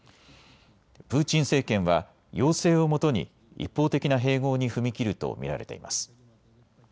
プーチン政権は要請をもとに一方的な併合に踏み切ると見られています。